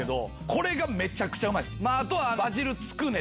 これがめちゃくちゃうまい。